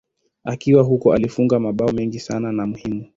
Akiwa huko alifunga mabao mengi sana na muhimu.